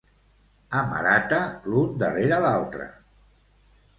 A Marata, l'un darrere l'altre